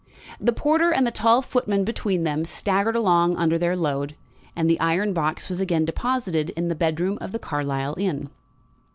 The porter and the tall footman, between them, staggered along under their load, and the iron box was again deposited in the bedroom of the Carlisle inn.